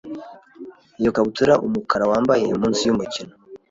Iyo kabutura umukara wambaye munsi yumukino